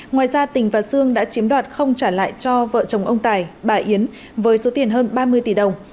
ngoài ra tỉnh và xương đã chiếm đoạt không trả lại cho vợ chồng ông tài bà yến với số tiền hơn ba mươi tỷ đồng